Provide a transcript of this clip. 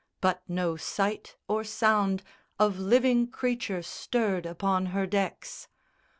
But no sight or sound Of living creature stirred upon her decks.